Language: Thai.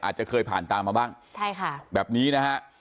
อาจจะเคยผ่านตามมาบ้างใช่ค่ะแบบนี้นะฮะ